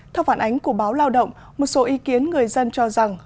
theo phản ánh của báo lao động một số ý kiến người dân cho rằng